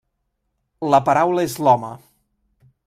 La paraula és l'home.